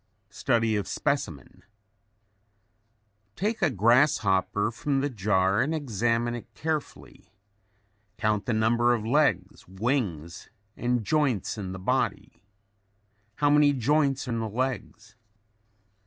STUDY OF SPECIMEN Take a grasshopper from the jar and examine it carefully. Count the number of legs, wings and joints in the body. How many joints in the legs?